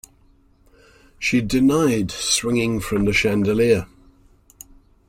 She denied swinging from the chandelier.